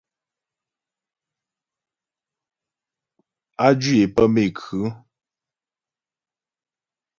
Á jwǐ é pə́ méku.